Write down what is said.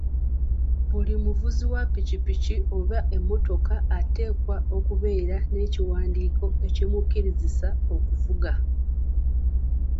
Buli muvuzi wa piki piki oba emmotoka ateekwa okubeera n'ekiwandiiko ekimukkiriza okuvuga.